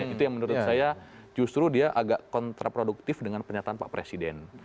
itu yang menurut saya justru dia agak kontraproduktif dengan pernyataan pak presiden